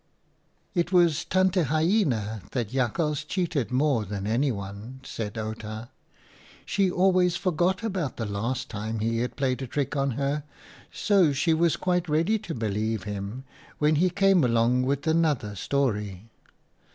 " It was Tante Hyena that Jakhals cheated more than anyone," said Outa. " She always forgot about the last time he had played a trick on her, so she was quite ready to believe him when he came along with another story.